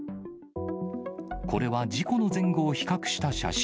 これは事故の前後を比較した写真。